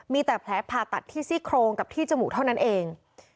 มีแต่แผลผ่าตัดที่ซี่โครงกับที่จมูกเท่านั้นเอง